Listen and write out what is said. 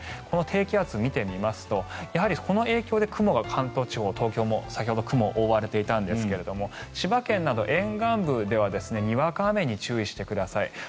この低気圧を見てみますとやはりこの影響で雲が関東地方、東京も先ほど雲に覆われていたんですが千葉県など沿岸部ではにわか雨に注意してください。